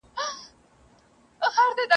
د میني کور وو د فتح او د رابیا کلی دی ..